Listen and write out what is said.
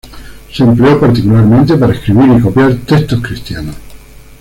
Se empleó particularmente para escribir y copiar textos cristianos.